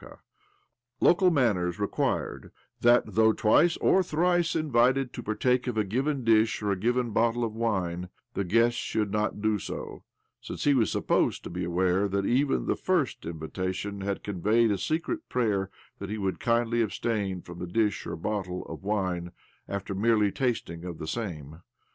Local manners required that, what though twice or thrice invited to par take of a given dish or a given bottle of wine, the guest should not do so, since he was supposed to be aware that even the first invitation had conveyed a secret prayer that he would kindly abstain from the dish or bottle of wine after merely tasting of the same.